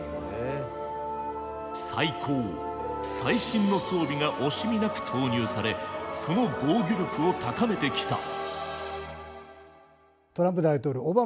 最高最新の装備が惜しみなく投入されその防御力を高めてきた。